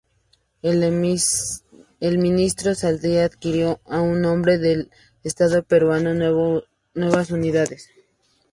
El ministro Saldías adquirió a nombre del estado peruano nuevas unidades.